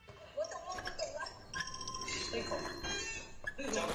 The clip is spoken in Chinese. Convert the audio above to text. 汪潮涌出生于湖北省蕲春县。